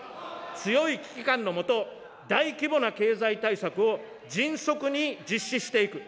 強い危機感のもと、大規模な経済対策を迅速に実施していく。